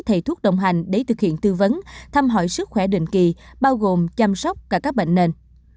thầy thuốc đồng hành để thực hiện tư vấn thăm hỏi sức khỏe định kỳ bao gồm chăm sóc cả các bệnh nền